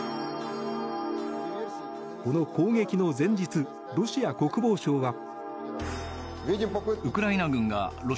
この攻撃の前日ロシア国防省は。